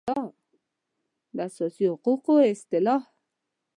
د اساسي حقوقو اصطلاح